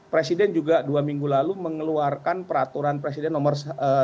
presiden juga dua minggu lalu mengeluarkan peraturan presiden nomor satu ratus dua belas dua ribu dua puluh dua